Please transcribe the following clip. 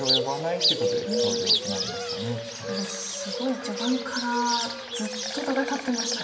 いやでもすごい序盤からずっと戦ってましたね。